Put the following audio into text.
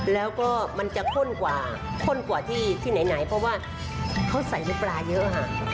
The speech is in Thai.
แล้วก็มันจะข้นกว่าข้นกว่าที่ไหนเพราะว่าเขาใส่น้ำปลาเยอะค่ะ